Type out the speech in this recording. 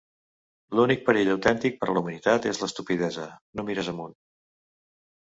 L'únic perill autèntic per a la humanitat és l'estupidesa. No mires amunt!